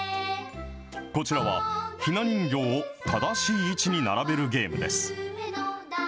こちらは、ひな人形を正しい位置に並べるゲームです。